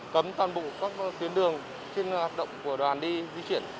cấm toàn bộ các tuyến đường trên hoạt động của đoàn đi di chuyển